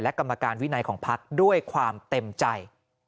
และกรรมการวินัยของพักด้วยความเต็มใจ